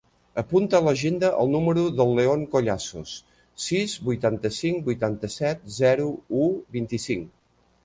Apunta a l'agenda el número del León Collazos: sis, vuitanta-cinc, vuitanta-set, zero, u, vint-i-cinc.